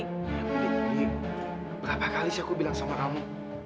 berapa kali sih aku bilang sama kamu